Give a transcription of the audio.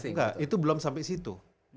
enggak itu belum sampai situ